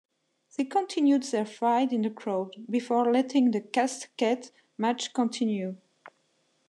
They continued their fight in the crowd, before letting the casket match continue.